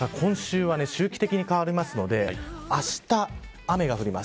今週は周期的に変わるのであした、雨が降ります。